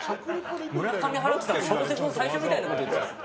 村上春樹さんの小説の最初みたいなこと言ってた。